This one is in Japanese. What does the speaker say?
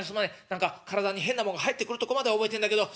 何か体に変なものが入ってくるとこまでは覚えてんだけど。